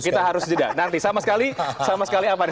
kita harus nanti sama sekali sama sekali apa nih